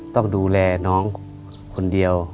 ต้องดูแลน้องคนเดียว